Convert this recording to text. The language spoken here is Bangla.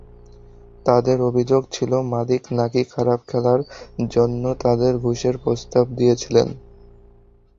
তাঁদের অভিযোগ ছিল, মালিক নাকি খারাপ খেলার জন্য তাদের ঘুষের প্রস্তাব দিয়েছিলেন।